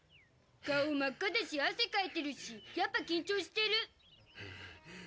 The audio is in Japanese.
顔真っ赤だし汗かいてるしやっぱ緊張してる。